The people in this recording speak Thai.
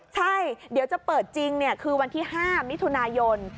ใช่เดี๋ยวจะเปิดจริงคือวันที่๕มิถุนายน